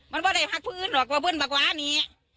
มันไม่ได้พักพื้นหรอกเพราะว่าพื้นแบบว่านี้